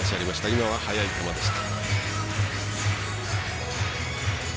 今は速い球でした。